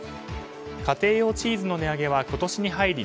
家庭用チーズの値上げは今年に入り